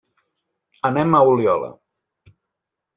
Anem a Oliola.